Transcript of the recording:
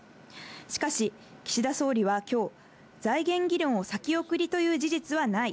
しかし、岸田総理はきょう、財源議論を先送りという事実はない。